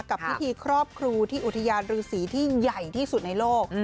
กับพิธีครอบครูที่อุทยานรือสีที่ใหญ่ที่สุดในโลก